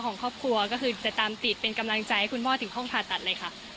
ของครอบครัวก็คือจะตามติดเป็นกำลังใจให้คุณพ่อถึงห้องผ่าตัดเลยค่ะ